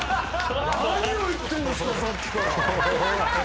何を言ってんですか！